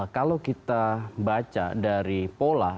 kalau kita baca dari pola